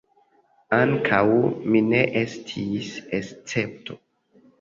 Ankaŭ mi ne estis escepto.